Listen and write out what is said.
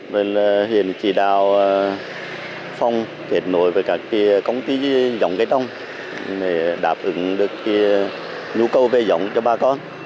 viện chỉ đạo phòng kết nối với các công ty giống cây đông để đáp ứng được nhu cầu về giống cho bà con